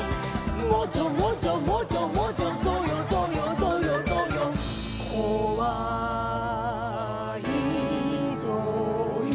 「もじょもじょもじょもじょぞよぞよぞよぞよ」「こわァーいぞよ」